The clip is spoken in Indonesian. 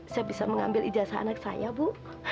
saya bisa mengambil ijazah anak saya bu